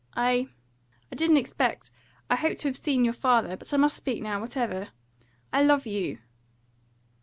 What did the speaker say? "I I didn't expect I hoped to have seen your father but I must speak now, whatever I love you!"